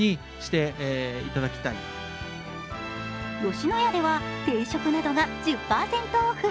吉野家では定食などが１０％オフ。